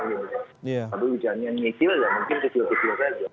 tapi hujannya nyisil mungkin kecil kecil saja